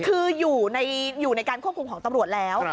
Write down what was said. คืออยู่ในการควบคุมของตำรวจแล้ว